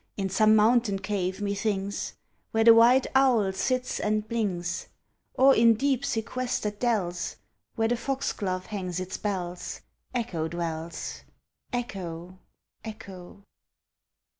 In some mountain cave, methinks, Where the white owl sits and blinks; Or in deep sequestered dells, Where the foxglove hangs its bells, Echo dwells. Echo! Echo!